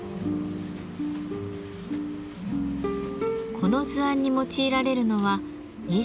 この図案に用いられるのは２１色。